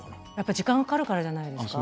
時間がかかるからじゃないの？